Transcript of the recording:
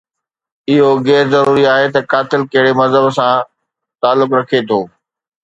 اهو غير ضروري آهي ته قاتل ڪهڙي مذهب سان تعلق رکي ٿو.